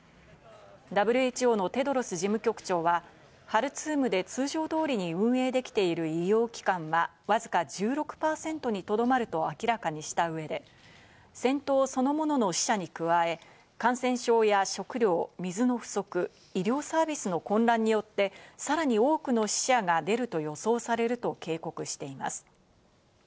ＷＨＯのテドロス事務局長はハルツームで通常通りに運営できている医療機関はわずか１６％にとどまると明らかにした上で戦闘そのものの死者に加え、感染症や食料・水の不足、医療サービスの混乱によってさらに多くの死者が出ると予想されると警告しています。